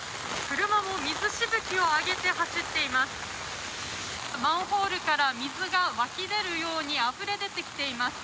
車も水しぶきを上げて走っています。